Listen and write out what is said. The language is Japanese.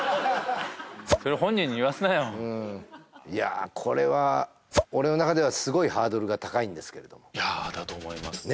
それ本人に言わすなよいやこれは俺の中ではすごいハードルが高いんですけれどもいやだと思いますね